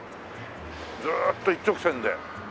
ずーっと一直線で。